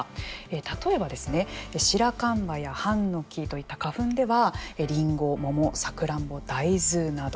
例えばですね、シラカンバやハンノキといった花粉ではリンゴ、モモ、サクランボ大豆など。